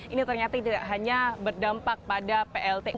ini ternyata tidak hanya berdampak pada pltu